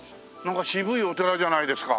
渋いお寺じゃないですか。